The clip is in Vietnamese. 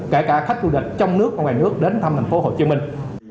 kể cả khách du lịch trong nước và ngoài nước đến thăm thành phố hồ chí minh